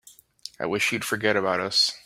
I wish you'd forget about us.